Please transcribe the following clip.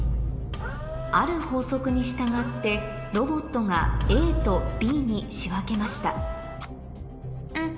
ある法則に従ってロボットがＡとＢに仕分けましたん？